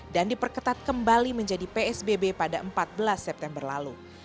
dan diperketat kembali menjadi psbb pada empat belas september lalu